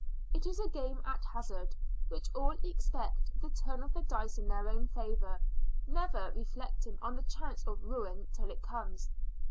It is a game at hazard, at which all expect the turn of the die in their own favour, never reflecting on the chance of ruin till it comes.